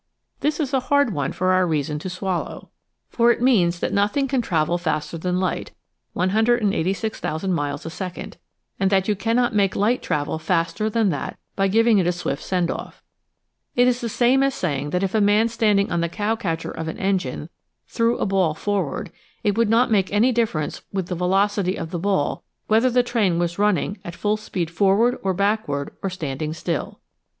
This is a hard one for our reason to swallow, for it means 14 EASY LESSONS IN EINSTEIN that nothing can travel faster than light, 186,000 miles a second, and that you cannot make light travel faster than that by giving it a swift send off. It is the same as saying that if a man standing on the cowcatcher of an engine threw a ball forward, it would not make any difference with the velocity of the ball whether the train was running at full speed forward or backward or standing still.